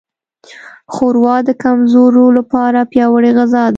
ښوروا د کمزورو لپاره پیاوړې غذا ده.